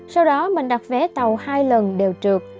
sau đó mình đặt vé tàu hai lần đều trượt